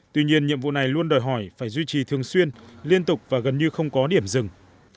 tuy nhiên nhiệm vụ này luôn đòi hỏi phải duy trì thường xuyên liên tục và gần như không có điểm dừng